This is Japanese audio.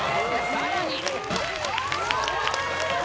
さらに。